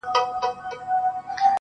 توره، لونگينه، تکه سپينه ياره,